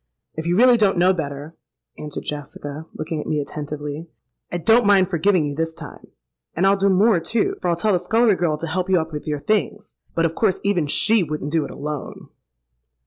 —'If you really don't know better,' answered Jessica, looking at me attentively, 'I don't mind forgiving you this time. And I'll do more, too, for I'll tell the scullery girl to help you up with your things; but of course even she wouldn't do it alone.'